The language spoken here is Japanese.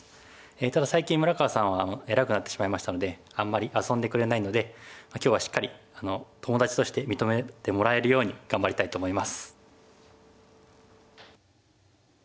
ただ最近村川さんは偉くなってしまいましたのであんまり遊んでくれないので今日はしっかり友達として認めてもらえるように頑張りたいと思います。